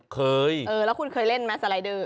เคยเออแล้วคุณเคยเล่นไหมสไลเดอร์